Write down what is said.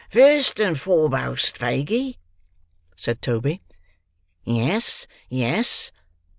"First and foremost, Faguey," said Toby. "Yes, yes!"